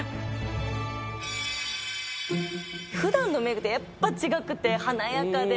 普段のメークとやっぱ違くて華やかで。